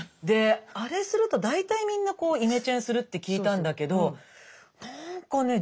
あれすると大体みんなイメチェンするって聞いたんだけど何かね